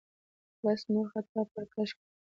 بس نور خط پر کش کړئ.